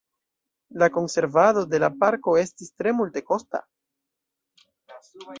La konservado de la parko estis tre multekosta.